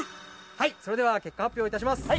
はいそれでは結果発表いたします！